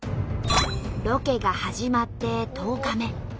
ロケが始まって１０日目。